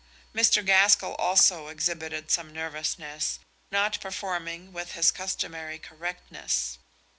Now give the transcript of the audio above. Mr. Gaskell also exhibited some nervousness, not performing with his customary correctness.